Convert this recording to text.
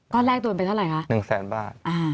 ก้อนแรกตัวเป็นเท่าไรครับ๑๐๐๐๐๐บาท